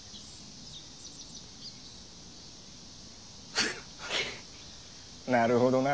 フッなるほどな。